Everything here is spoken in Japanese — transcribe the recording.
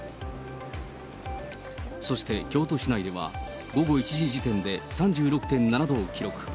そして京都市内では、午後１時時点で３６．７度を記録。